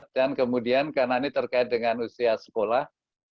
dan kemudian karena ini terkait dengan usia sekolah